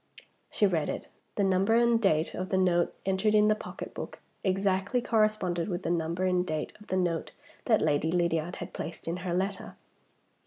She read it. The number and date of the note entered in the pocketbook exactly corresponded with the number and date of the note that Lady Lydiard had placed in her letter.